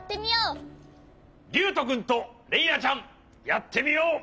りゅうとくんとれいなちゃんやってみよう。